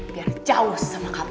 biar jauh sama kamu